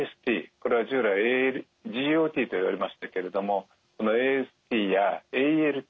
これは従来ＧＯＴといわれましたけれどもそのＡＳＴやＡＬＴ